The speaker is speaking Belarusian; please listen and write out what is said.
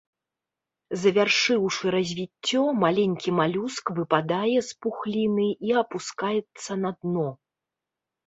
Завяршыўшы развіццё, маленькі малюск выпадае з пухліны і апускаецца на дно.